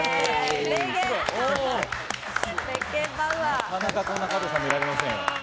なかなか、こんな加藤さんは見られませんよ。